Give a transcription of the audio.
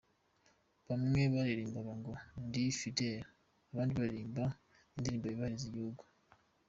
Bamwe baririmbaga ngo "Ndi Fidel" kandi baririmba indirimbo yubahiriza igihugu.